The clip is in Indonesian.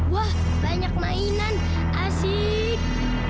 wah banyak mainan asik